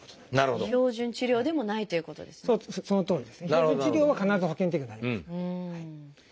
標準治療は必ず保険適用になりますから。